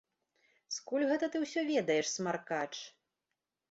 Скуль гэта ты ўсё ведаеш, смаркач?